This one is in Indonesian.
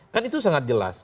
kan itu sangat jelas